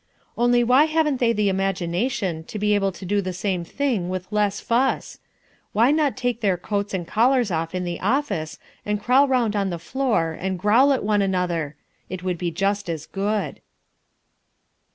Only why haven't they the imagination to be able to do the same thing with less fuss? Why not take their coats and collars off in the office and crawl round on the floor and growl at one another. It would be just as good.